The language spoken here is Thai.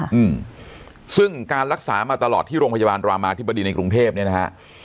อืมซึ่งการรักษามาตลอดที่โรงพยาบาลรามาธิบดีในกรุงเทพเนี้ยนะฮะ